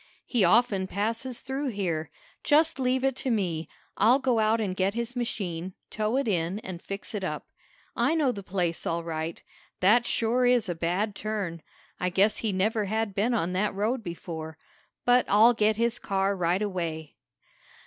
"He often passes through here. Just leave it to me. I'll go out and get his machine, tow it in and fix it up. I know the place all right. That sure is a bad turn. I guess he never had been on that road before. But I'll get his car right away."